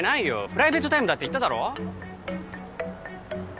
プライベートタイムだって言っただろ？